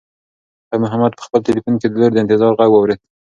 خیر محمد په خپل تلیفون کې د لور د انتظار غږ واورېد.